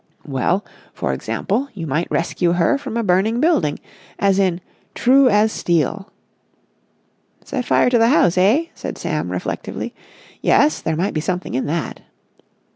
_" "Well, for example, you might rescue her from a burning building, as in 'True As Steel'...." "Set fire to the house, eh?" said Sam reflectively. "Yes, there might be something in that."